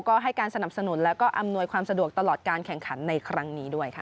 ก็ให้การสนับสนุนแล้วก็อำนวยความสะดวกตลอดการแข่งขันในครั้งนี้ด้วยค่ะ